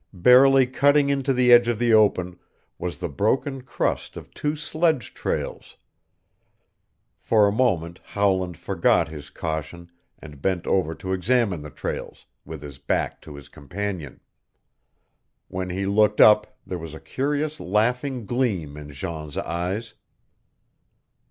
Barely cutting into the edge of the open was the broken crust of two sledge trails. For a moment Howland forgot his caution and bent over to examine the trails, with his back to his companion. When he looked up there was a curious laughing gleam in Jean's eyes.